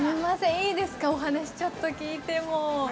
いいですかお話ちょっと聞いても。